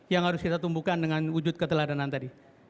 yang harus kita tumbuhkan dengan wujud keteladanan tadi